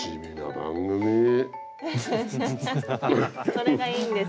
それがいいんです。